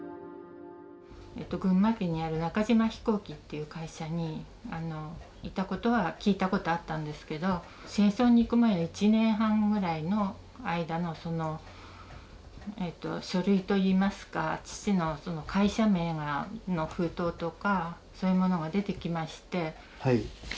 群馬県にある中島飛行機っていう会社にいたことは聞いたことあったんですけど戦争に行く前の１年半ぐらいの間の書類といいますか父の会社名の封筒とかそういうものが出てきまして。